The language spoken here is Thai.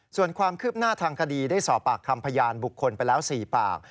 ส่วนความคืบหน้าทางคดีได้สอบปากคำพยานบุคคลไปแล้ว๔ปาก